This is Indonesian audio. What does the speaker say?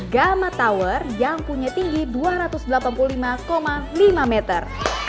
gama tower yang punya tinggi dua ratus delapan puluh lima lima meter